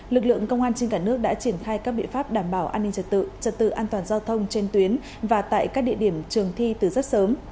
lực lượng công an trên cả nước đã triển khai các biện pháp đảm bảo an ninh trật tự trật tự an toàn giao thông trên tuyến và tại các địa điểm trường thi từ rất sớm